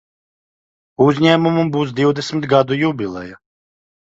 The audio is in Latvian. Uzņēmumam būs divdesmit gadu jubileja.